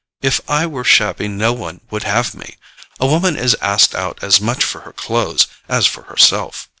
If I were shabby no one would have me: a woman is asked out as much for her clothes as for herself.